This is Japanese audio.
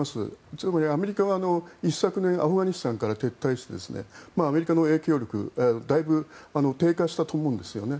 つまりアメリカは一昨年アフガニスタンから撤退してアメリカの影響力だいぶ低下したと思うんですよね。